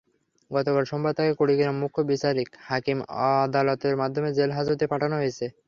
গতকাল সোমবার তাঁকে কুড়িগ্রাম মুখ্য বিচারিক হাকিম আদালতের মাধ্যমে জেলহাজতে পাঠানো হয়েছে।